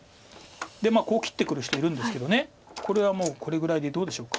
でこう切ってくる人いるんですけどこれはもうこれぐらいでどうでしょうか。